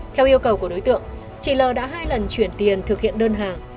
theo yêu cầu của đối tượng